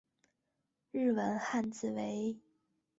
日文汉字为。